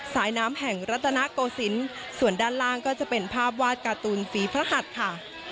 สายน้ำแห่งรัฐนาโกศิลป์ส่วนด้านล่างก็จะเป็นภาพวาดการ์ตูนฝีพระหัสค่ะ